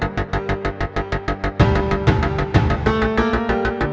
ini tempat pernikahannya main bang